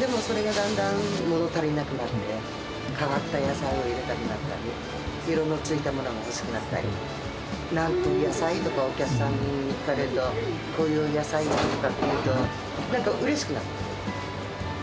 でもそれがだんだん、もの足りなくなって、変わった野菜を入れたりだったり色のついたものが欲しくなったり。なんていう野菜？とかってお客さんに聞かれると、こういう野菜なんだって言うと、なんかうれしくなって。